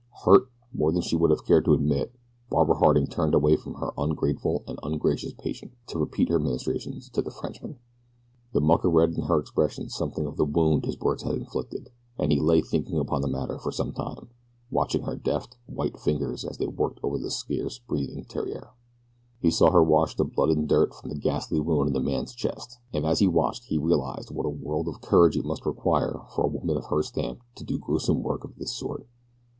Hurt, more than she would have cared to admit, Barbara Harding turned away from her ungrateful and ungracious patient, to repeat her ministrations to the Frenchman. The mucker read in her expression something of the wound his words had inflicted, and he lay thinking upon the matter for some time, watching her deft, white fingers as they worked over the scarce breathing Theriere. He saw her wash the blood and dirt from the ghastly wound in the man's chest, and as he watched he realized what a world of courage it must require for a woman of her stamp to do gruesome work of this sort.